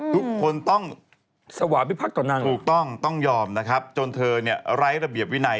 ทุกคนต้องสวาพิพักษ์กว่านางถูกต้องต้องยอมนะครับจนเธอเนี่ยไร้ระเบียบวินัย